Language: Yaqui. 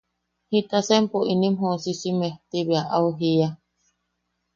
–¿Jitasa empo inim joosisime?– ti bea au jiia.